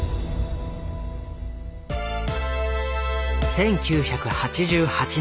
１９８８年。